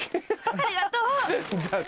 ありがとう！